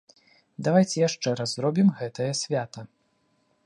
Давайце яшчэ раз зробім гэтае свята.